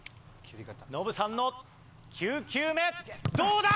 ノブさんの９球目どうだ？